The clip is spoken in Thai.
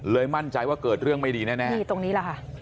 มั่นใจว่าเกิดเรื่องไม่ดีแน่นี่ตรงนี้แหละค่ะ